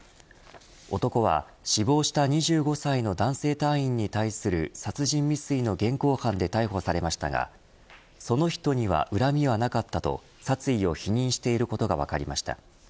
男は死亡した２５歳の男性隊員に対する殺人未遂の現行犯で逮捕されましたがその人には恨みはなかったと殺意を否認していることが分かりました。